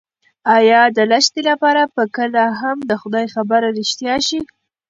ایا د لښتې لپاره به کله هم د خدای خبره رښتیا شي؟